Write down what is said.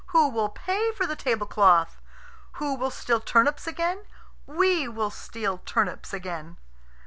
Who will pay for the tablecloth? Who will steal turnips again? We will steal turnips again."